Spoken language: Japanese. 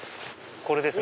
これですね。